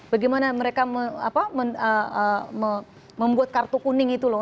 bagaimana mereka membuat kartu kuning itu loh